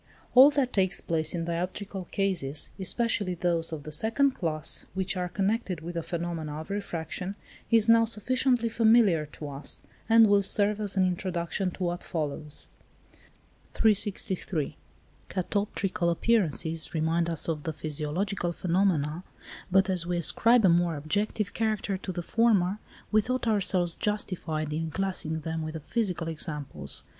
All that takes place in dioptrical cases, especially those of the second class which are connected with the phenomena of refraction, is now sufficiently familiar to us, and will serve as an introduction to what follows. 363. Catoptrical appearances remind us of the physiological phenomena, but as we ascribe a more objective character to the former, we thought ourselves justified in classing them with the physical examples.